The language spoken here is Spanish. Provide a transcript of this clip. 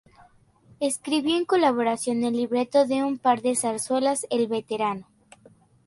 Escribió en colaboración el libreto de un par de zarzuelas: "El veterano.